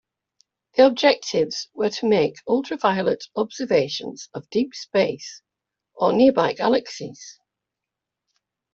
The objectives were to make ultraviolet observations of deep space or nearby galaxies.